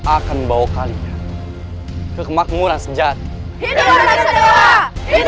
akan membawa kalian ke kemakmuran sejati